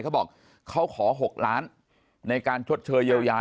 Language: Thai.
เขาบอกเขาขอ๖ล้านในการชดเชยเยียวยา